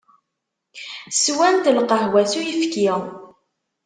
Swant lqahwa s uyefki.